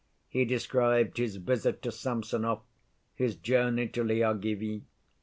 He described his visit to Samsonov, his journey to Lyagavy.